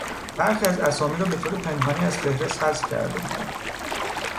برخی از اسامی را به طور پنهانی از فهرست حذف کرده بودند.